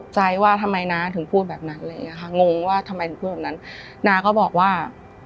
จากนั้นน้าก็บอกว่า